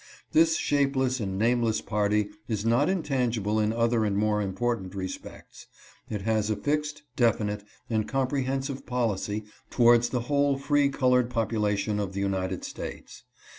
This shapeless and nameless party is not intangi ble in other and more important respects. It has a fixed, definite, and comprehensive policy towards the whole free colored population of the United States.